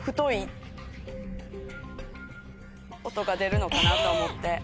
が出るのかなと思って。